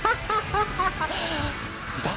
いた？